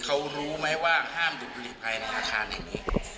เขารู้ไหมว่าห้ามดูบบุหรี่ใครในอาคารนี้